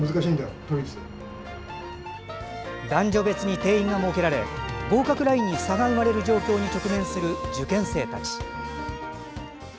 男女別に定員が設けられ合格ラインに差が生まれる状況に直面する受験生たち。